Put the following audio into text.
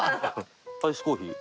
アイスコーヒー？